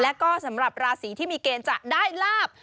แล้วก็สำหรับราศีที่มีเกณฑ์จะได้ลาบ